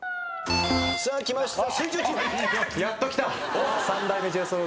さあきました。